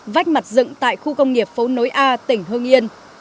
vách mặt dựng tại khu công nghiệp phố nối a tỉnh hương yên